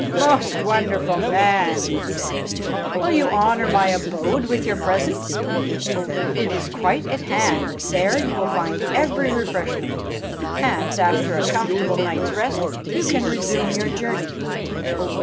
"Most wonderful man," he said, "will you honour my abode with your presence? it is quite at hand; there you will find every refreshment; and after a comfortable night's rest you can resume your journey."